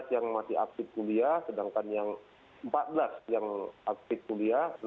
empat belas yang masih aktif kuliah sedangkan yang empat belas yang aktif kuliah